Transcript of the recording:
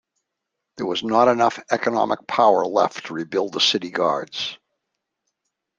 There was not enough economic power left to rebuild the city guards.